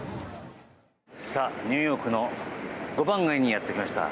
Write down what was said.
さあ、ニューヨークの５番街にやってきました。